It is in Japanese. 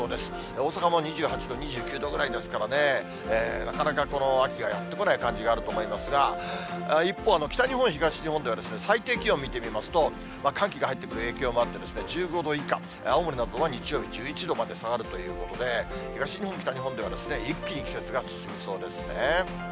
大阪も２８度、２９度ぐらいですからね、なかなか秋がやって来ない感じがあると思いますが、一方、北日本、東日本では最低気温見てみますと、寒気が入ってくる影響もあって、１５度以下、青森などは日曜日１１度まで下がるということで、東日本、北日本では一気に季節が進みそうですね。